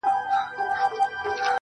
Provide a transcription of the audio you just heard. او سره له هغه چي تقر یباً ټول عمر یې -